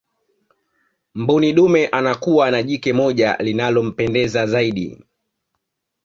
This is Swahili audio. mbuni dume anakuwa na jike moja linalompendeza zaidi